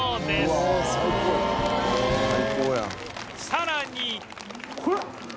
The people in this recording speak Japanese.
さらに